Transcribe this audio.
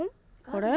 これ？